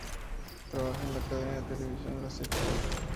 Trabaja en la cadena de televisión la Sexta.